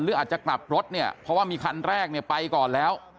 อาจจะกลับรถเนี่ยเพราะว่ามีคันแรกเนี่ยไปก่อนแล้ว